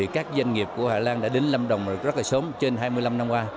các doanh nghiệp của hà lan đã đến lâm đồng rất sớm trên hai mươi năm năm qua